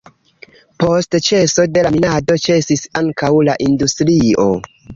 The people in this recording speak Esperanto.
Post ĉeso de la minado ĉesis ankaŭ la industrio.